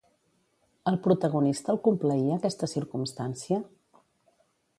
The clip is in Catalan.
Al protagonista el complaïa aquesta circumstància?